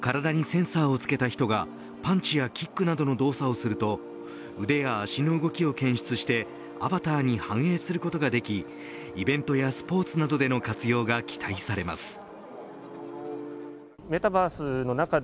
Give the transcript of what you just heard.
体にセンサーをつけた人がパンチやキックなどの動作をすると腕や足の動きを検出してアバターに反映することができイベントやスポーツなどでの活用が期待されます。